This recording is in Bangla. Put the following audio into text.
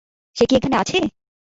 সে কি এখানে আছে?